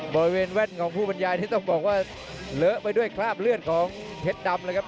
บริเวณแว่นของผู้บรรยายที่ต้องบอกว่าเลอะไปด้วยคราบเลือดของเพชรดำเลยครับ